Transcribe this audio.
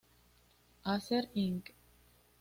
Acer Inc.